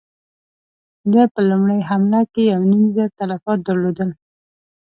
ده په لومړۍ حمله کې يو نيم زر تلفات درلودل.